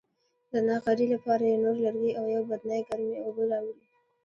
د نغري لپاره یې نور لرګي او یوه بدنۍ ګرمې اوبه راوړې.